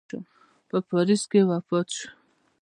په پاریس کې وفات سو.